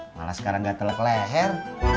malah sekarang gatel ke leher